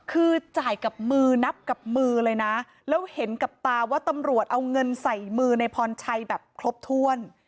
คือจ่ายกับมือนับกับมือเลยนะแล้วเห็นกับตาว่าตำรวจเอาเงินใส่มือในพรชัยแบบครบถ้วน